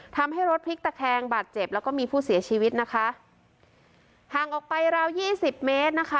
ทำให้รถพลิกตะแคงบาดเจ็บแล้วก็มีผู้เสียชีวิตนะคะห่างออกไปราวยี่สิบเมตรนะคะ